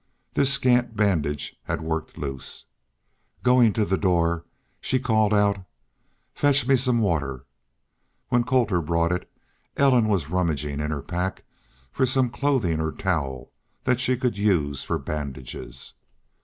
This scant bandage had worked loose. Going to the door, she called out: "Fetch me some water." When Colter brought it, Ellen was rummaging in her pack for some clothing or towel that she could use for bandages.